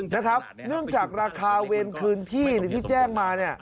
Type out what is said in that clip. นะครับเนื่องจากราคาเวรคืนที่ที่แจ้งมา